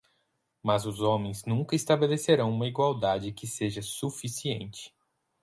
Mas os homens nunca estabelecerão uma igualdade que seja suficiente.